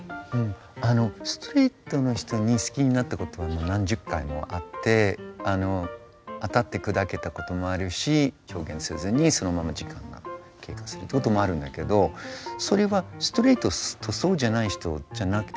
ストレートの人に好きになったことは何十回もあって当たって砕けたこともあるし表現せずにそのまま時間が経過するってこともあるんだけどそれはストレートとそうじゃない人じゃなくても一緒なんですよね。